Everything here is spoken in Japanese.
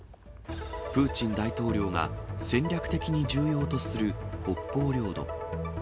プーチン大統領が、戦略的に重要とする北方領土。